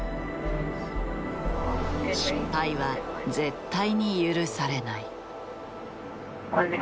失敗は絶対に許されない。